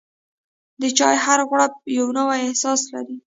د چای هر غوړپ یو نوی احساس لري.